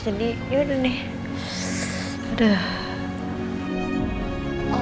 jadi kita nih ada yo